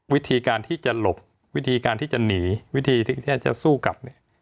วิธีการที่จะหลบวิธีการที่จะหนีวิธีที่จะสู้กลับเนี่ย